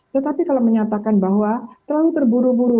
tetapi kalau menyatakan bahwa terlalu terburu buru